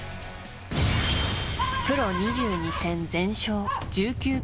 プロ２２戦全勝、１９ＫＯ